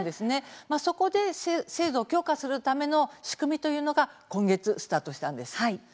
そこで制度を強化するための仕組みというのが今月スタートしたんです。